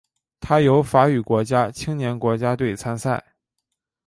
它由法语国家青年国家队参赛。